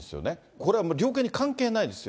これは量刑に関係ないですよ。